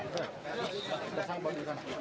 tidak ada yang mencabut